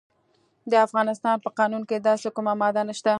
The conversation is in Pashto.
د افغانستان په قانون کې داسې کومه ماده نشته.